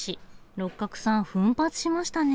六角さん奮発しましたね！